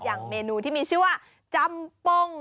อย่างเมนูที่มีชื่อว่าจำปง